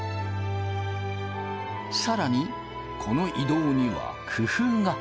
更にこの移動には工夫が。